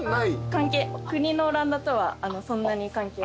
国のオランダとはそんなに関係は。